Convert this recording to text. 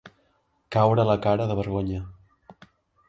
Caure la cara de vergonya.